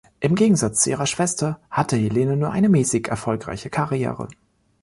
Im Gegensatz zu ihrer Schwester hatte Helene nur eine mäßig erfolgreiche Karriere.